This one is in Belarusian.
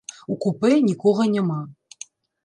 У купэ нікога няма.